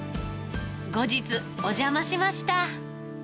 後日、お邪魔しました。